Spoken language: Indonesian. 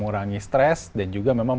mengurangi stres dan juga memang